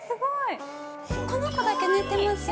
◆この子だけ寝てますよ。